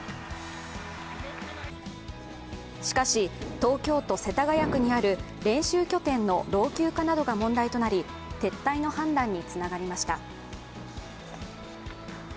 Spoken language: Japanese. しかし、東京都世田谷区にある練習拠点の老朽化などが問題となり撤退の判断につながりました。